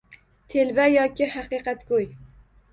Telba yoki haqiqatgo‘y?